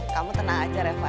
kamu tenang aja reva